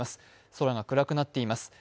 空が暗くなっています。